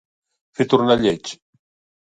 Fer tornar lleig.